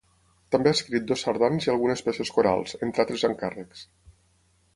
També ha escrit dues sardanes i algunes peces corals, entre altres encàrrecs.